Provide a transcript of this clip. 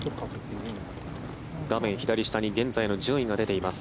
画面左下に現在の順位が出ています。